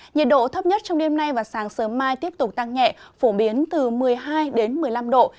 nhiệt độ thấp nhất trong đêm nay và sáng sớm mai tiếp tục tăng nhẹ phổ biến từ một mươi hai đến một mươi năm độ